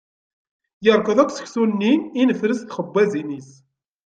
Yerkeḍ akk seksu-nni i nefser s txabbazin-is.